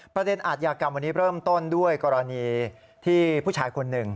อาทยากรรมวันนี้เริ่มต้นด้วยกรณีที่ผู้ชายคนหนึ่ง